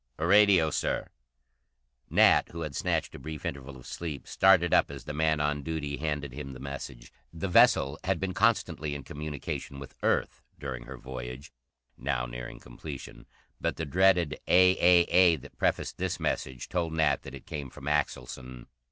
"A radio, Sir!" Nat, who had snatched a brief interval of sleep, started up as the man on duty handed him the message. The vessel had been constantly in communication with Earth during her voyage, now nearing completion, but the dreaded A A A that prefaced this message told Nat that it came from Axelson.